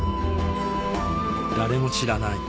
誰も知らない